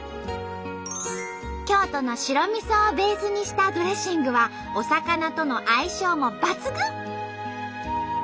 京都の白味噌をベースにしたドレッシングはお魚との相性も抜群！